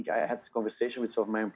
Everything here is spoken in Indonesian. saya berbicara dengan beberapa pekerja